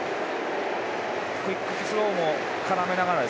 クイックスローも絡めながら。